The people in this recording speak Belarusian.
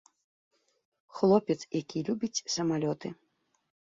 Хлопец, які любіць самалёты.